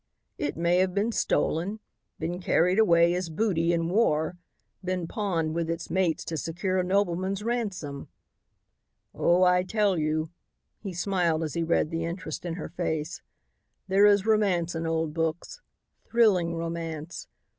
"It may have been stolen, been carried away as booty in war, been pawned with its mates to secure a nobleman's ransom. "Oh, I tell you," he smiled as he read the interest in her face, "there is romance in old books, thrilling romance.